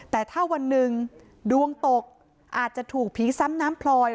แต่ถ้าวันหนึ่งดวงตกอาจจะถูกผีซ้ำน้ำพลอย